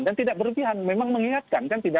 dan tidak berlebihan memang mengingatkan